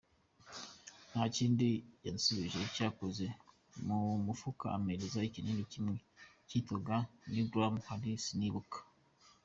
Nta kindi yansubije yakoze mu mufuka ampereza ikinini kimwe kitwaga nigram ahari sinibuka.